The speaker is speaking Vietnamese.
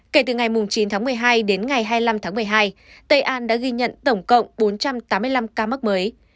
kể từ ngày chín tháng một mươi hai đến ngày hai mươi năm tháng một mươi hai tây an đã ghi nhận tổng cộng bốn trăm tám mươi năm ca mắc mới